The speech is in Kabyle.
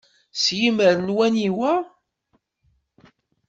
S yimmer n waniwa?